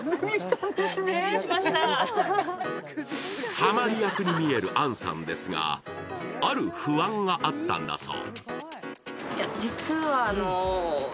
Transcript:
はまり役に見える杏さんですがある不安があったんだそう。